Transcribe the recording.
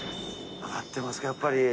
上がってますか、やっぱり。